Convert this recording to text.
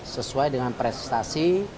sesuai dengan prestasi